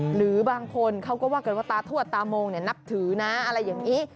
หรือบางคนเขาก็ว่ากันว่าตาทวดตามงนับถือนะอะไรอย่างนี้